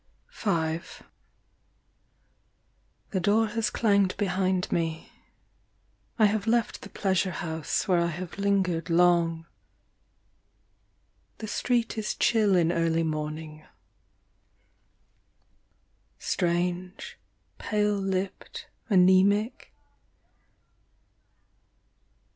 ( ,i IRIS TREE. V. THE door has clanged behind me, I have left The pleasure house where I have lingered long. The street is chill in early morning, strange, Pale lipped, anaemic.